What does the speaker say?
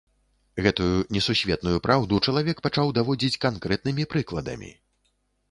Гэтую несусветную праўду чалавек пачаў даводзіць канкрэтнымі прыкладамі.